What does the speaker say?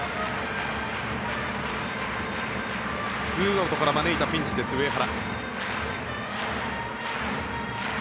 ２アウトから招いたピンチです上原。